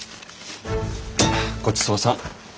ごちそうさん。